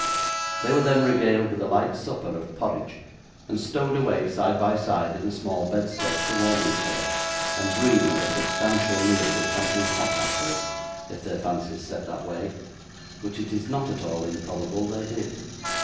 They were then regaled with a light supper of porridge, and stowed away, side by side, in a small bedstead, to warm each other, and dream of a substantial meal with something hot after it, if their fancies set that way: which it is not at all improbable they did.